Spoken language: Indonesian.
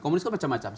komunis kan macam macam